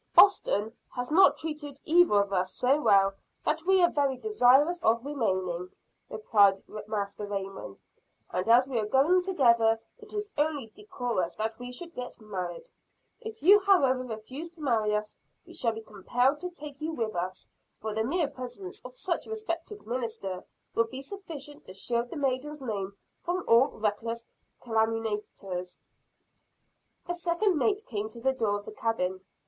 "Boston has not treated either of us so well that we are very desirous of remaining," replied Master Raymond. "And as we are going together, it is only decorous that we should get married. If you however refuse to marry us, we shall be compelled to take you with us for the mere presence of such a respected minister will be sufficient to shield the maiden's name from all reckless calumniators." The second mate came to the door of the cabin.